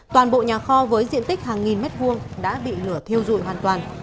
toàn bộ nhà kho với diện tích hàng nghìn mét vuông đã bị lửa thiêu dụi hoàn toàn